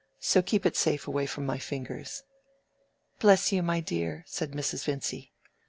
So keep it safe away from my fingers." "Bless you, my dear," said Mrs. Vincy.